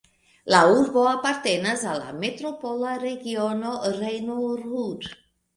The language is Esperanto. La urbo apartenas al la Metropola regiono Rejno-Ruhr.